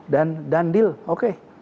dan dan deal oke